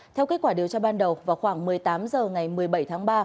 theo kết quả điều tra ban đầu vào khoảng một mươi tám h ngày một mươi bảy tháng ba